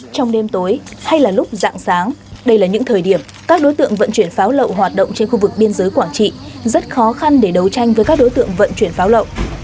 trong đêm tối hay là lúc dạng sáng đây là những thời điểm các đối tượng vận chuyển pháo lậu hoạt động trên khu vực biên giới quảng trị rất khó khăn để đấu tranh với các đối tượng vận chuyển pháo lậu